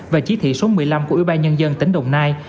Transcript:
và chỉ thị số một mươi năm của ủy ban nhân dân tỉnh đồng nai